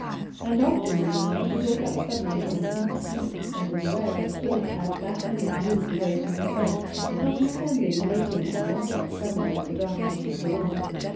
and often in the night he woke up suddenly out of deep sleep and was aware that Thorpe had that minute moved away from his bed and was standing waiting and watching somewhere in the darkness of the room.